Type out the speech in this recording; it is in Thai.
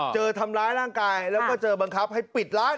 เจอทำร้ายร่างกายแล้วก็เจอบังคับให้ปิดร้าน